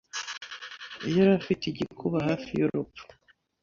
yari afite igikuba hafi y'urupfu.